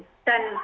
karena di triwunnya